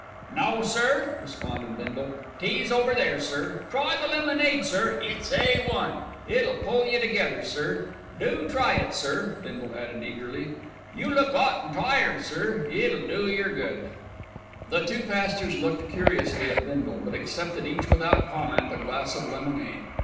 "No, sir," responded Bindle, "tea's over there, sir. Try the lemonade, sir; it's A 1. It'll pull yer together, sir. Do try it, sir," Bindle added eagerly. "You look 'ot and tired, sir. It'll do yer good." The two pastors looked curiously at Bindle, but accepted each without comment a glass of lemonade.